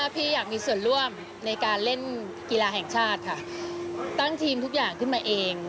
พี่ก็ต้องเดินทางมาก่อนร่วงหน้าอย่างน้อย๓วัน